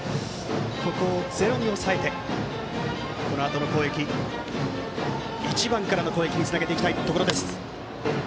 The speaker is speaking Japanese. ここをゼロに抑えてこのあとの１番からの攻撃につなげたいところです。